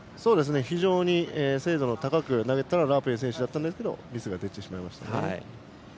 非常に精度の高く投げていたラープイェン選手だったんですがミスが出てしまいました。